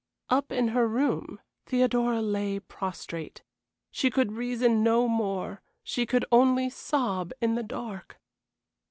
Up in her room Theodora lay prostrate. She could reason no more she could only sob in the dark.